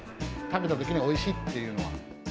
食べたときにおいしいというのは。